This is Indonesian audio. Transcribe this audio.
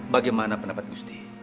bagaimana pendapat gusti